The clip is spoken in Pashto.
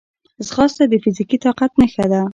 ځغاسته د فزیکي طاقت نښه ده